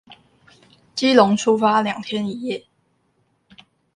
基隆出發兩天一夜